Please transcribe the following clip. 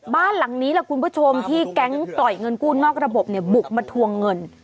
บ้านหลังนี้ล่ะคุณผู้ชมที่แก๊งปล่อยเงินกู้นอกระบบเนี่ยบุกมาทวงเงิน